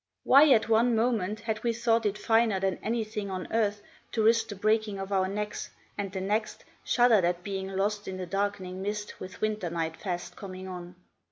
Why, at one moment, had we thought it finer than anything on earth to risk the breaking of our necks; and the next, shuddered at being lost in the darkening mist with winter night fast coming on?